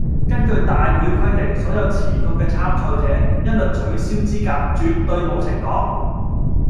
根據大會規定，所有遲到嘅參賽者，一律取消資格，絕對冇情講